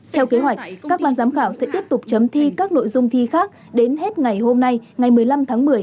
theo kế hoạch các ban giám khảo sẽ tiếp tục chấm thi các nội dung thi khác đến hết ngày hôm nay ngày một mươi năm tháng một mươi